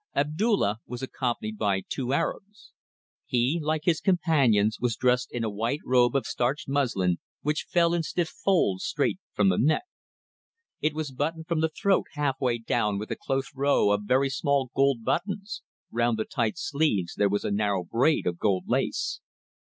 Abdulla was accompanied by two Arabs. He, like his companions, was dressed in a white robe of starched muslin, which fell in stiff folds straight from the neck. It was buttoned from the throat halfway down with a close row of very small gold buttons; round the tight sleeves there was a narrow braid of gold lace.